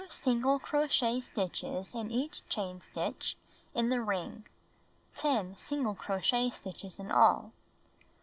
4. Put 2 single crochet stitches in each chain stitch in the ring (10 single crochet stitches in all).